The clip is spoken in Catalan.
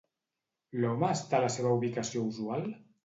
L'home està a la seva ubicació usual?